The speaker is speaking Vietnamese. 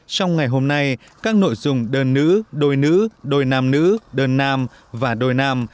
trong ngày hôm nay các nội dung đơn nữ đôi nữ đôi nam nữ đơn nam và đôi nam